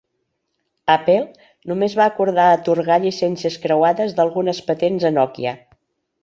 Apple només va acordar atorgar llicencies creuades d'algunes patents a Nokia.